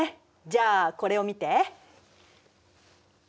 じゃあこれを見て。